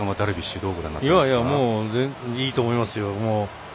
いいと思いますよ。